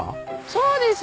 そうですよ。